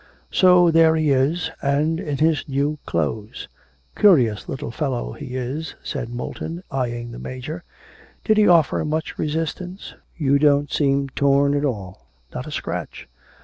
'So there he is, and in his new clothes. Curious little fellow he is,' said Moulton, eyeing the Major. 'Did he offer much resistance? You don't seem torn at all. Not a scratch.'